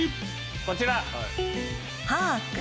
こちら。